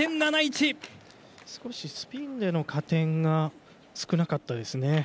少しスピンでの加点が少なかったですね。